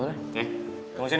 yang bahan dimaksud ini